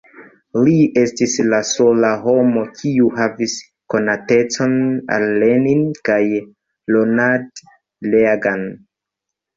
Li estis la sola homo, kiu havis konatecon al Lenin kaj Ronald Reagan.